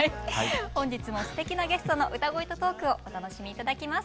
本日もすてきなゲストの歌声とトークをお楽しみ頂きます。